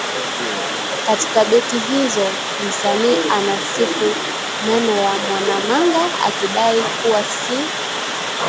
Katika beti hizo msanii anasifu meno ya Mwanamanga akidai kuwa si